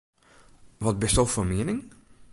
Wat bisto fan miening?